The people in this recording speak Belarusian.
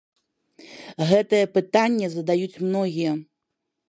Гэтае пытанне задаюць многія.